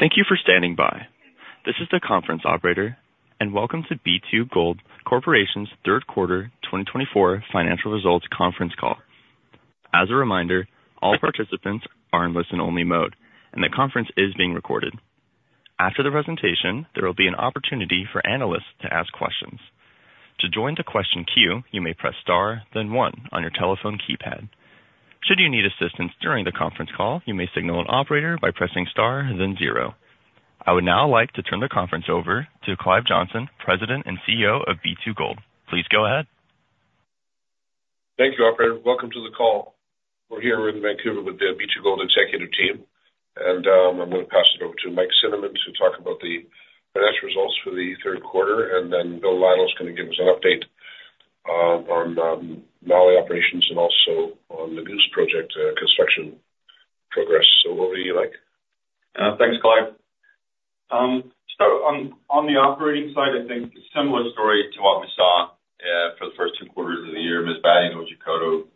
Thank you for standing by. This is the conference operator, and welcome to B2Gold Corporation's Third Quarter 2024 Financial Results Conference Call. As a reminder, all participants are in listen-only mode, and the conference is being recorded. After the presentation, there will be an opportunity for analysts to ask questions. To join the question queue, you may press star, then one, on your telephone keypad. Should you need assistance during the conference call, you may signal an operator by pressing star, then zero. I would now like to turn the conference over to Clive Johnson, President and CEO of B2Gold. Please go ahead. Thank you, Operator. Welcome to the call. We're here in Vancouver with the B2Gold executive team, and I'm going to pass it over to Mike Cinnamond to talk about the financial results for the third quarter, and then Bill Lytle is going to give us an update on Mali operations and also on the Goose Project construction progress. So over to you, Mike. Thanks, Clive. Start on the operating side, I think similar story to what we saw for the first two quarters of the year. Masbate and Otjikoto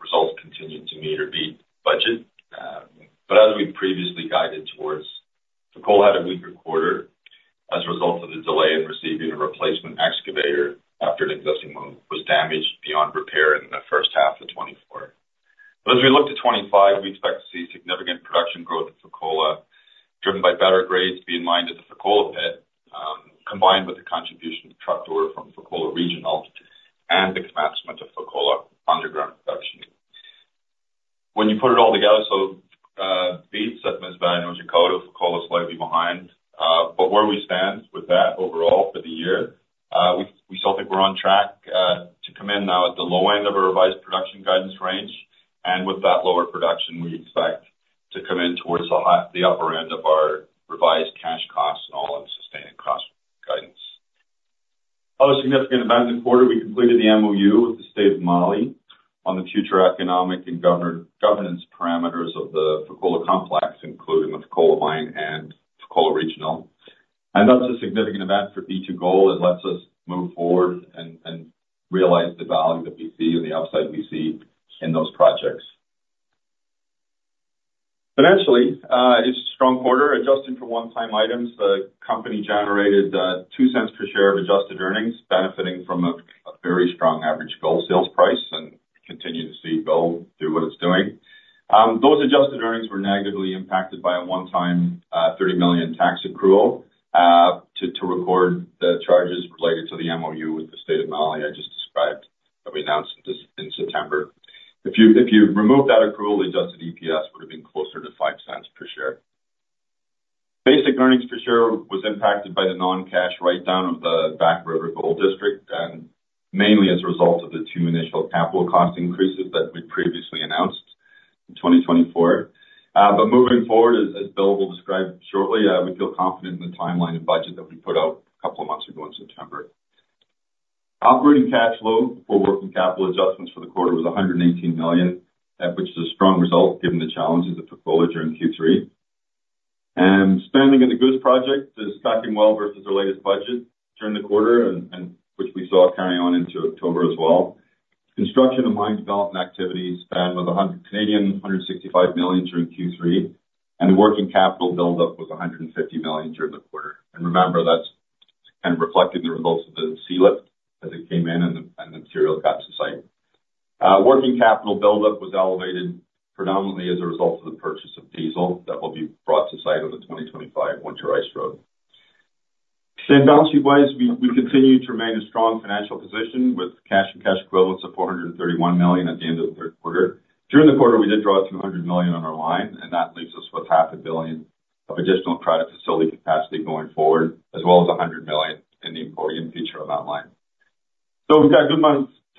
results continued to meet our budget. But as we previously guided towards, the Fekola had a weaker quarter as a result of the delay in receiving a replacement excavator after an existing one was damaged beyond repair in the first half of 2024. But as we look to 2025, we expect to see significant production growth at Fekola, driven by better grades being mined at the Fekola pit, combined with the contribution of trucked ore from Fekola Regional and the commencement of Fekola Underground production. When you put it all together, so beat Masbate and Otjikoto, Fekola slightly behind. But where we stand Financially, it's a strong quarter. Adjusting for one-time items, the company generated $0.02 per share of adjusted earnings, benefiting from a very strong average gold sales price and continuing to see gold do what it's doing. Those adjusted earnings were negatively impacted by a one-time $30 million tax accrual to record the charges related to the MOU with the state of Mali I just described that we announced in September. If you remove that accrual, the adjusted EPS would have been closer to $0.05 per share. Basic earnings per share was impacted by the non-cash write-down of the Back River Gold District, and mainly as a result of the two initial capital cost increases that we previously announced in 2024. But moving forward, as Bill will describe shortly, we feel confident in the timeline and budget that we put out a couple of months ago in September. Operating cash flow beforer working capital adjustments for the quarter was $118 million, which is a strong result given the challenges of Fekola during Q3. Spending in the Goose Project is tracking well versus their latest budget during the quarter, which we saw carry on into October as well. Construction and mine development activity spent 165 million during Q3, and the working capital buildup was $150 million during the quarter. Remember, that's kind of reflecting the results of the sealift as it came in and the material got to site. Working capital buildup was elevated predominantly as a result of the purchase of diesel that will be brought to site on the 2025 Winter Ice Road. Financial-wise, we continue to remain a strong financial position with cash and cash equivalents of $431 million at the end of the third quarter. During the quarter, we did draw $200 million on our line, and that leaves us with $500 million of additional credit facility capacity going forward, as well as $100 million in the near future of that line. So we've got good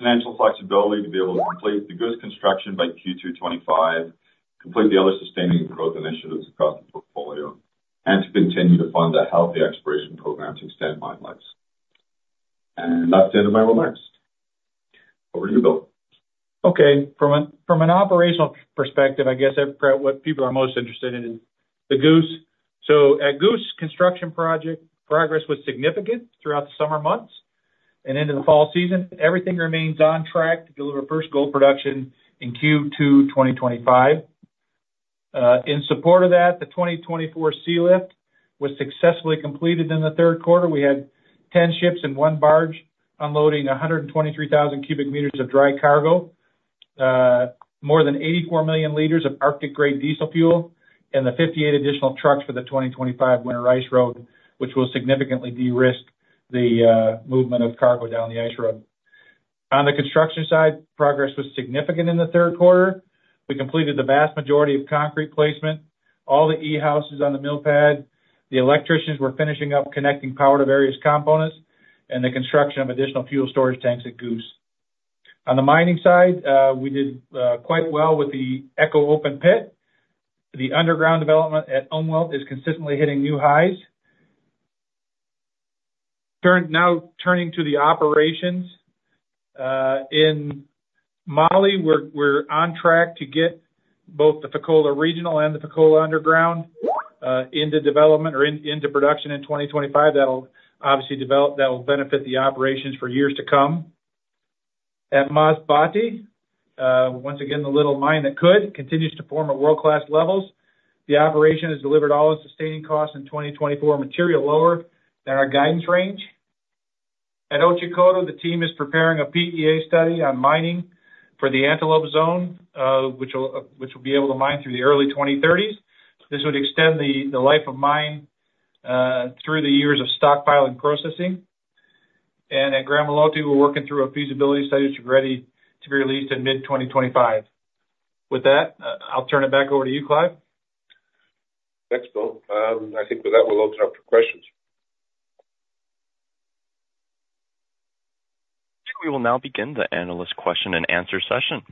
financial flexibility to be able to complete the Goose construction by Q2 2025, complete the other sustaining growth initiatives across the portfolio, and to continue to fund a healthy exploration program to extend mine lives. And that's the end of my remarks. Over to you, Bill. Okay. From an operational perspective, I guess what people are most interested in is the Goose Project. So at Goose Project construction, progress was significant throughout the summer months and into the fall season. Everything remains on track to deliver first gold production in Q2 2025. In support of that, the 2024 sea lift was successfully completed in the third quarter. We had 10 ships and one barge unloading 123,000 cubic meters of dry cargo, more than 84 million liters of Arctic-grade diesel fuel, and the 58 additional trucks for the 2025 Winter Ice Road, which will significantly de-risk the movement of cargo down the ice road. On the construction side, progress was significant in the third quarter. We completed the vast majority of concrete placement, all the E-Houses on the mill pad. The electricians were finishing up connecting power to various components and the construction of additional fuel storage tanks at Goose. On the mining side, we did quite well with the Echo Open Pit. The underground development at Umwelt is consistently hitting new highs. Now turning to the operations in Mali, we're on track to get both the Fekola Regional and the Fekola Underground into development or into production in 2025. That'll obviously benefit the operations for years to come. At Masbate, once again, the little mine that could continues to perform at world-class levels. The operation has delivered All-in sustaining Costs in 2024 materially lower than our guidance range. At Otjikoto, the team is preparing a PEA study on mining for the Antelope Zone, which will be able to mine through the early 2030s. This would extend the life of mine through the years of stockpiling processing. At Gramalote, we're working through a feasibility study which is ready to be released in mid-2025. With that, I'll turn it back over to you, Clive. Thanks, Bill. I think with that, we'll open up for questions. We will now begin the analyst question and answer session.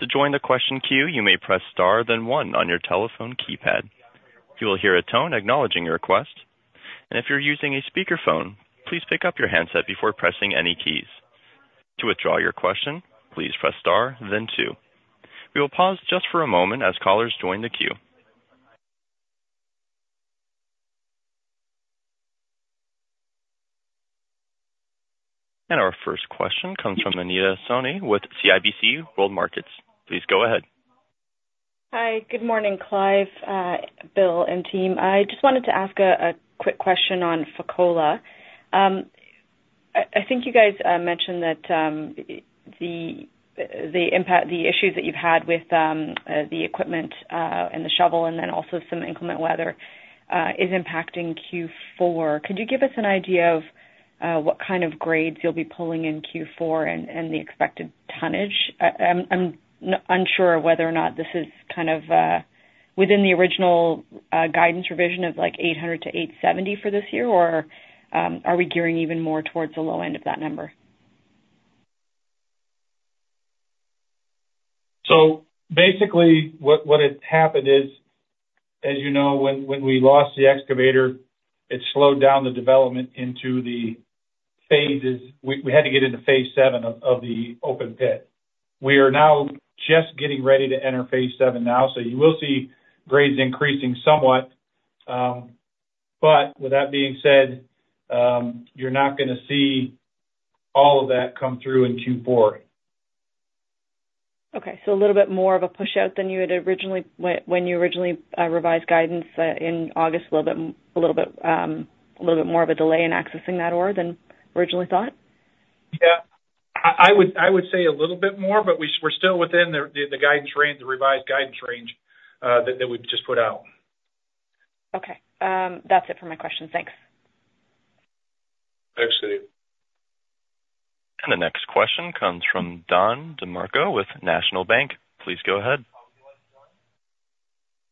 To join the question queue, you may press star, then one on your telephone keypad. You will hear a tone acknowledging your request. If you're using a speakerphone, please pick up your handset before pressing any keys. To withdraw your question, please press star, then two. We will pause just for a moment as callers join the queue. Our first question comes from Anita Soni with CIBC World Markets. Please go ahead. Hi. Good morning, Clive, Bill, and team. I just wanted to ask a quick question on Fekola. I think you guys mentioned that the issues that you've had with the equipment and the shovel and then also some inclement weather is impacting Q4. Could you give us an idea of what kind of grades you'll be pulling in Q4 and the expected tonnage? I'm unsure whether or not this is kind of within the original guidance revision of like 800-870 for this year, or are we gearing even more towards the low end of that number? So basically, what had happened is, as you know, when we lost the excavator, it slowed down the development into the phases. We had to get into phase seven of the open pit. We are now just getting ready to enter phase seven now, so you will see grades increasing somewhat. But with that being said, you're not going to see all of that come through in Q4. Okay. So a little bit more of a push-out than you had originally when you originally revised guidance in August, a little bit more of a delay in accessing that ore than originally thought? Yeah. I would say a little bit more, but we're still within the revised guidance range that we've just put out. Okay. That's it for my questions. Thanks. Thanks, Anita. The next question comes from Don DeMarco with National Bank. Please go ahead.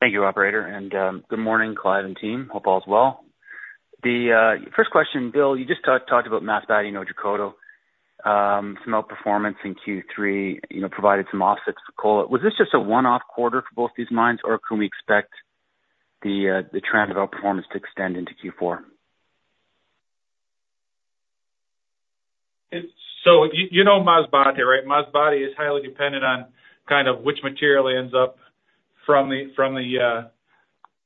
Thank you, Operator, and good morning, Clive and team. Hope all is well. The first question, Bill, you just talked about Masbate and Otjikoto. Some outperformance in Q3 provided some offsets for Fekola. Was this just a one-off quarter for both these mines, or can we expect the trend of outperformance to extend into Q4? So you know Masbate, right? Masbate is highly dependent on kind of which material ends up from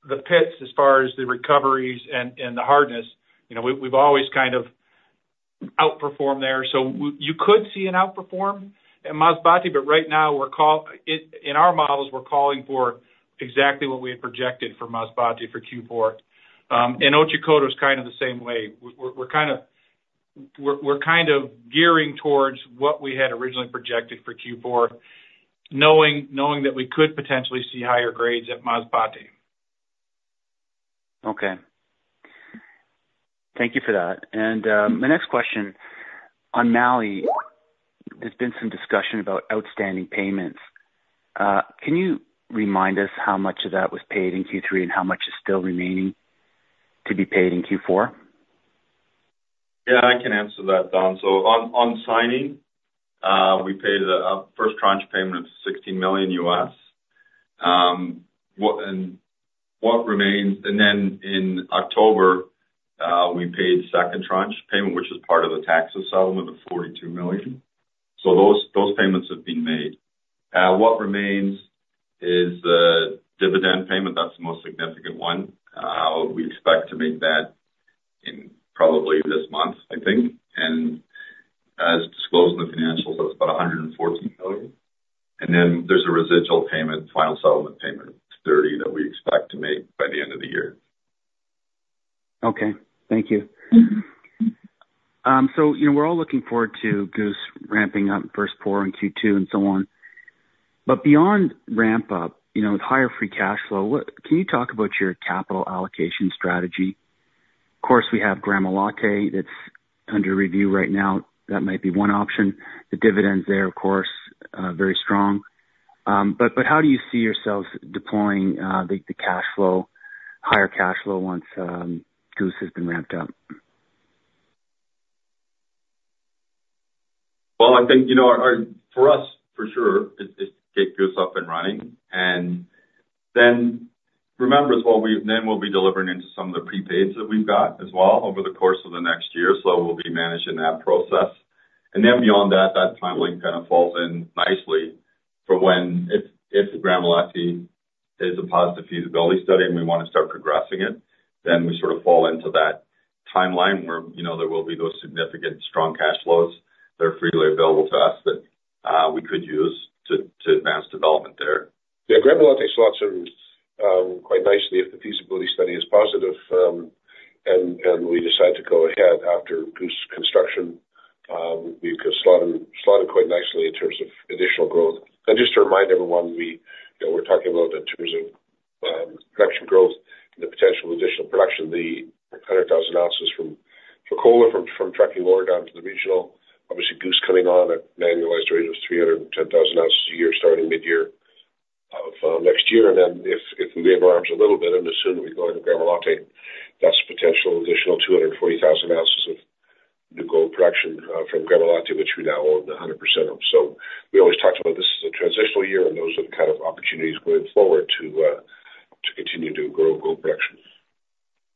the pits as far as the recoveries and the hardness. We've always kind of outperformed there. So you could see an outperform in Masbate, but right now, in our models, we're calling for exactly what we had projected for Masbate for Q4. And Otjikoto is kind of the same way. We're kind of gearing towards what we had originally projected for Q4, knowing that we could potentially see higher grades at Masbate. Okay. Thank you for that. And my next question, on Mali, there's been some discussion about outstanding payments. Can you remind us how much of that was paid in Q3 and how much is still remaining to be paid in Q4? Yeah, I can answer that, Don. So on signing, we paid the first tranche payment of $16 million. And then in October, we paid second tranche payment, which is part of the tax assessment of $42 million. So those payments have been made. What remains is the dividend payment. That's the most significant one. We expect to make that in probably this month, I think. And as disclosed in the financials, that's about $114 million. And then there's a residual payment, final settlement payment of $30 million that we expect to make by the end of the year. Okay. Thank you. So we're all looking forward to Goose ramping up in first quarter and Q2 and so on. But beyond ramp-up with higher free cash flow, can you talk about your capital allocation strategy? Of course, we have Gramalote. It's under review right now. That might be one option. The dividends there, of course, very strong. But how do you see yourselves deploying the higher cash flow once Goose has been ramped up? I think for us, for sure, is to get Goose up and running. And then remember, then we'll be delivering into some of the prepaids that we've got as well over the course of the next year. So we'll be managing that process. And then beyond that, that timeline kind of falls in nicely for when if Gramalote is a positive feasibility study and we want to start progressing it, then we sort of fall into that timeline where there will be those significant strong cash flows that are freely available to us that we could use to advance development there. Yeah, Gramalote slots in quite nicely if the feasibility study is positive. And we decide to go ahead after Goose construction, we could slot it quite nicely in terms of additional growth. And just to remind everyone, we're talking about in terms of production growth and the potential additional production, the 100,000 ounces from Fekola from trucking ore down to the regional, obviously Goose coming on at an annualized rate of 310,000 ounces a year starting mid-year of next year, and then if we ramp a little bit and assume we go into Gramalote, that's potential additional 240,000 ounces of new gold production from Gramalote, which we now own 100% of, so we always talked about this as a transitional year, and those are the kind of opportunities going forward to continue to grow gold production.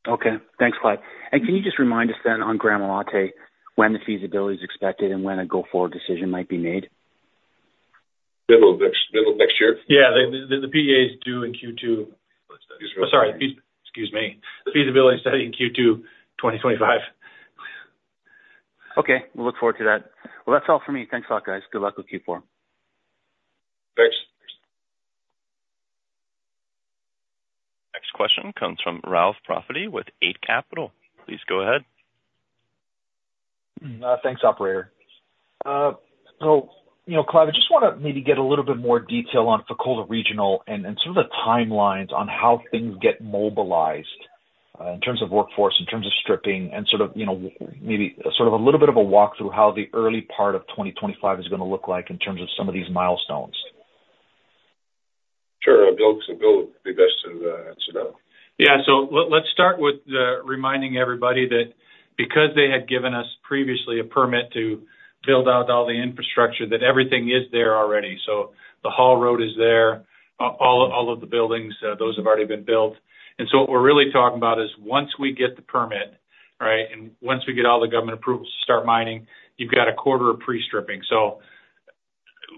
Okay. Thanks, Clive. And can you just remind us then on Gramalote when the feasibility is expected and when a go-forward decision might be made? Middle of next year? Yeah. The PEA's due in Q2. Sorry. Excuse me. The feasibility study in Q2 2025. Okay. We'll look forward to that. Well, that's all from me. Thanks a lot, guys. Good luck with Q4. Thanks. Next question comes from Ralph Profiti with 8 Capital. Please go ahead. Thanks, Operator. So Clive, I just want to maybe get a little bit more detail on Fekola Regional and sort of the timelines on how things get mobilized in terms of workforce, in terms of stripping, and sort of maybe sort of a little bit of a walkthrough of how the early part of 2025 is going to look like in terms of some of these milestones. Sure. Bill, it would be best to answer that. Yeah. So let's start with reminding everybody that because they had given us previously a permit to build out all the infrastructure, that everything is there already. So the haul road is there. All of the buildings, those have already been built. And so what we're really talking about is once we get the permit, right, and once we get all the government approvals to start mining, you've got a quarter of pre-stripping. So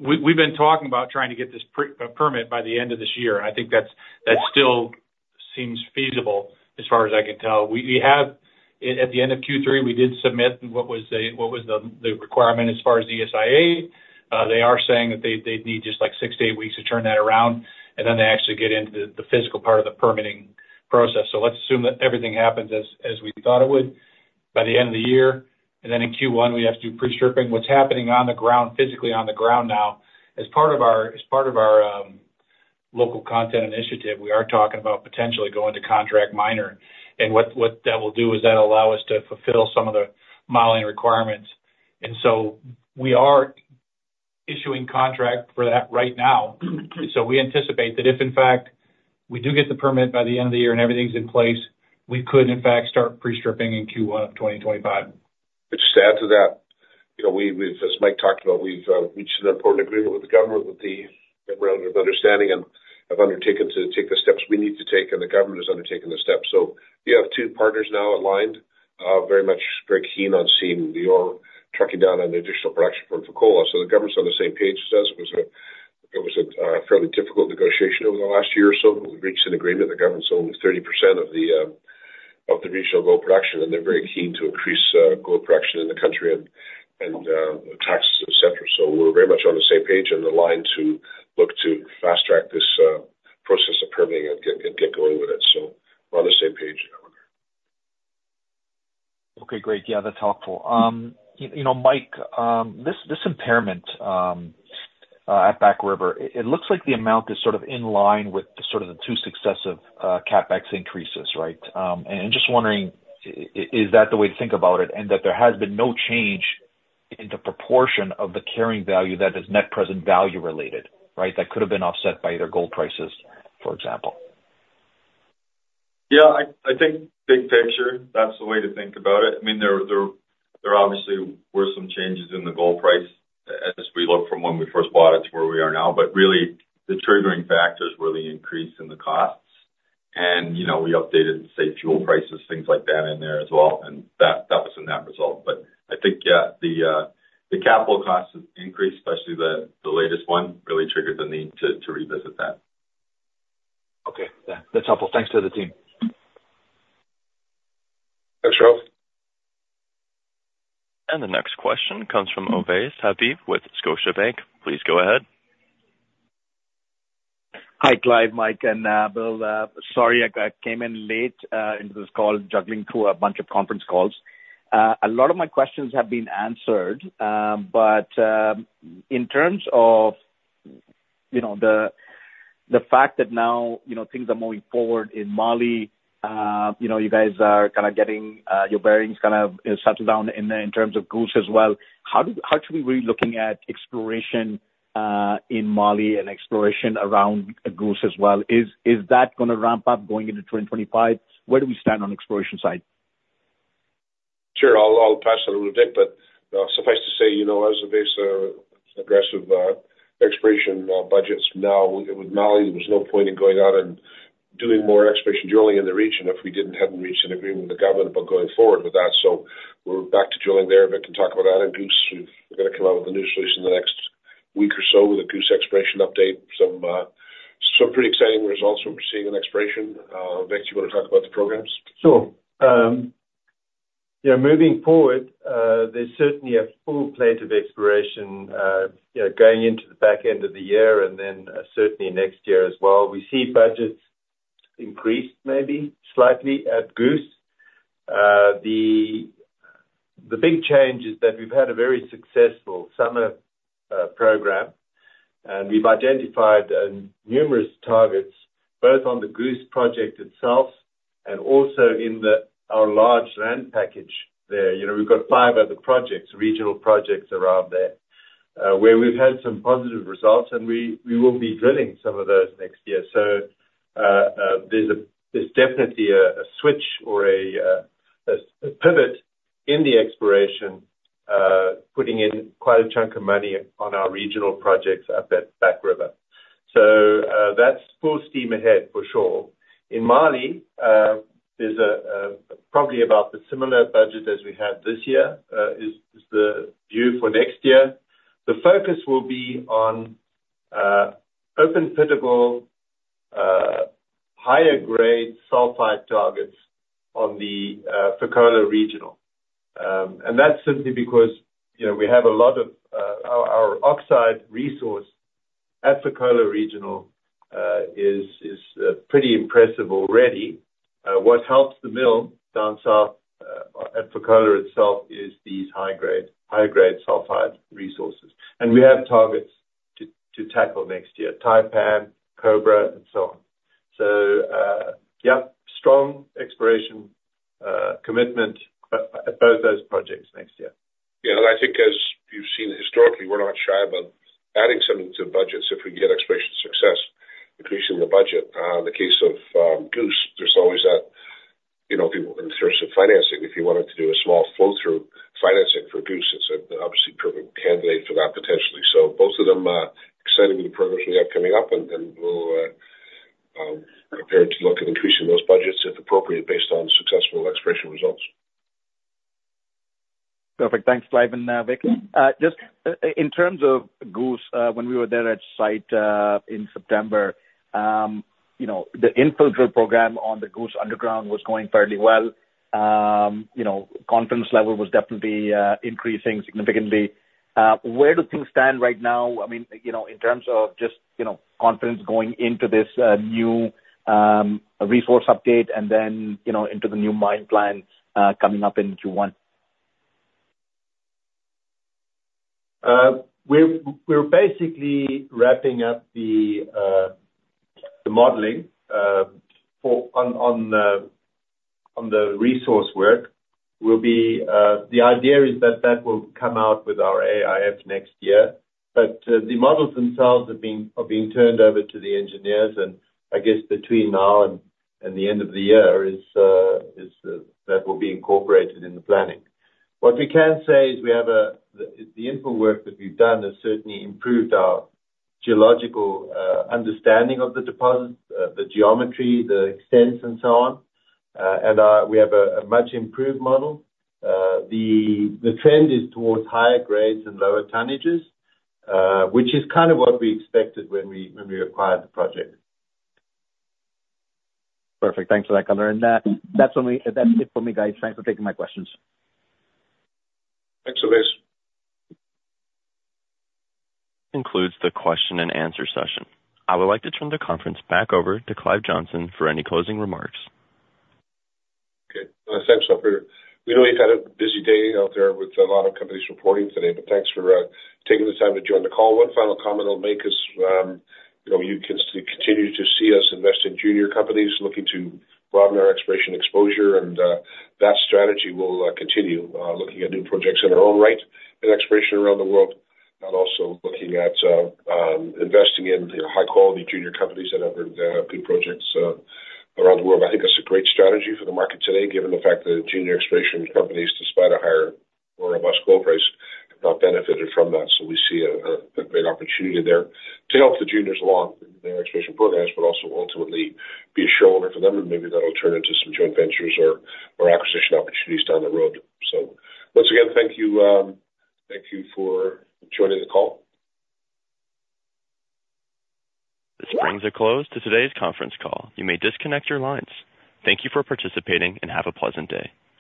we've been talking about trying to get this permit by the end of this year. I think that still seems feasible as far as I can tell. At the end of Q3, we did submit what was the requirement as far as ESIA. They are saying that they'd need just like six to eight weeks to turn that around, and then they actually get into the physical part of the permitting process. So let's assume that everything happens as we thought it would by the end of the year. And then in Q1, we have to do pre-stripping. What's happening physically on the ground now, as part of our local content initiative, we are talking about potentially going to contract mining. And what that will do is that'll allow us to fulfill some of the modeling requirements. And so we are issuing contract for that right now. So we anticipate that if, in fact, we do get the permit by the end of the year and everything's in place, we could, in fact, start pre-stripping in Q1 of 2025. Just to add to that, as Mike talked about, we've reached an important agreement with the government with the relevant understanding and have undertaken to take the steps we need to take, and the government has undertaken the steps. So you have two partners now aligned, very much very keen on seeing our trucking down on additional production from Fekola. So the government's on the same page as us. It was a fairly difficult negotiation over the last year or so. We reached an agreement. The government's owned 30% of the regional gold production, and they're very keen to increase gold production in the country and taxes, etc. So we're very much on the same page and aligned to look to fast-track this process of permitting and get going with it. So we're on the same page. Okay. Great. Yeah, that's helpful. Mike, this impairment at Back River, it looks like the amount is sort of in line with sort of the two successive CapEx increases, right? And just wondering, is that the way to think about it? And that there has been no change in the proportion of the carrying value that is net present value related, right? That could have been offset by their gold prices, for example. Yeah. I think big picture, that's the way to think about it. I mean, there obviously were some changes in the gold price as we looked from when we first bought it to where we are now. But really, the triggering factors were the increase in the costs. And we updated, say, fuel prices, things like that in there as well. And that was the net result. But I think, yeah, the capital costs have increased, especially the latest one really triggered the need to revisit that. Okay. That's helpful. Thanks to the team. Thanks, Ralph. The next question comes from Oveis Habib with Scotiabank. Please go ahead. Hi, Clive, Mike, and Bill. Sorry, I came in late into this call juggling through a bunch of conference calls. A lot of my questions have been answered, but in terms of the fact that now things are moving forward in Mali, you guys are kind of getting your bearings kind of settled down in terms of Goose as well. How should we be looking at exploration in Mali and exploration around Goose as well? Is that going to ramp up going into 2025? Where do we stand on the exploration side? Sure. I'll pass a little bit, but suffice to say, as Oveis said, aggressive exploration budgets now with Mali. There was no point in going out and doing more exploration drilling in the region if we hadn't reached an agreement with the government about going forward with that. So we're back to drilling there. Vic can talk about that. And Goose, we're going to come out with a new resource in the next week or so with a Goose exploration update. Some pretty exciting results when we're seeing an exploration. Vic, do you want to talk about the programs? Sure. Yeah. Moving forward, there's certainly a full plate of exploration going into the back end of the year and then certainly next year as well. We see budgets increased maybe slightly at Goose. The big change is that we've had a very successful summer program, and we've identified numerous targets both on the Goose Project itself and also in our large land package there. We've got five other projects, regional projects around there where we've had some positive results, and we will be drilling some of those next year. So there's definitely a switch or a pivot in the exploration, putting in quite a chunk of money on our regional projects up at Back River. So that's full steam ahead for sure. In Mali, there's probably about the similar budget as we had this year is the view for next year. The focus will be on open-pittable higher-grade sulfide targets on the Fekola Regional. And that's simply because we have a lot of our oxide resource at Fekola Regional is pretty impressive already. What helps the mill down south at Fekola itself is these high-grade sulfide resources. And we have targets to tackle next year: Tai Pan, Cobra, and so on. So yeah, strong exploration commitment at both those projects next year. Yeah. And I think, as you've seen historically, we're not shy about adding something to the budgets if we get exploration success, increasing the budget. In the case of Goose, there's always that in terms of financing. If you wanted to do a small flow-through financing for Goose, it's obviously a perfect candidate for that potentially. So both of them excited with the programs we have coming up, and we'll prepare to look at increasing those budgets if appropriate based on successful exploration results. Perfect. Thanks, Clive and Vic. Just in terms of Goose, when we were there at site in September, the infill program on the Goose Underground was going fairly well. Confidence level was definitely increasing significantly. Where do things stand right now? I mean, in terms of just confidence going into this new resource update and then into the new mine plan coming up in Q1? We're basically wrapping up the modeling on the resource work. The idea is that that will come out with our AIF next year. But the models themselves are being turned over to the engineers. And I guess between now and the end of the year, that will be incorporated in the planning. What we can say is we have the infill work that we've done has certainly improved our geological understanding of the deposits, the geometry, the extents, and so on. And we have a much improved model. The trend is towards higher grades and lower tonnages, which is kind of what we expected when we acquired the project. Perfect. Thanks for that, Color. And that's it for me, guys. Thanks for taking my questions. Thanks, Oveis. concludes the question and answer session. I would like to turn the conference back over to Clive Johnson for any closing remarks. Okay. Thanks, Clifford. We know you've had a busy day out there with a lot of companies reporting today, but thanks for taking the time to join the call. One final comment I'll make is you can continue to see us invest in junior companies looking to broaden our exploration exposure, and that strategy will continue looking at new projects in our own right and exploration around the world, and also looking at investing in high-quality junior companies that have good projects around the world. I think that's a great strategy for the market today, given the fact that junior exploration companies, despite a higher, more robust gold price, have benefited from that. So we see a great opportunity there to help the juniors along in their exploration programs, but also ultimately be a shareholder for them. And maybe that'll turn into some joint ventures or acquisition opportunities down the road. So once again, thank you for joining the call. The brings are closed to today's conference call. You may disconnect your lines. Thank you for participating and have a pleasant day.